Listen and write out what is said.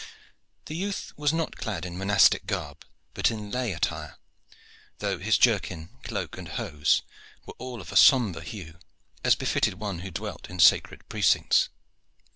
The youth was not clad in monastic garb, but in lay attire, though his jerkin, cloak and hose were all of a sombre hue, as befitted one who dwelt in sacred precincts.